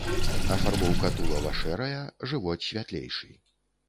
Афарбоўка тулава шэрая, жывот святлейшы.